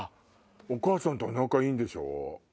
お母さんとは仲いいんでしょ？